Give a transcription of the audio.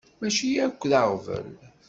Mačči akk d aɣbel.